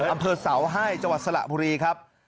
อำเภอเสาให้จสละบุรีครับ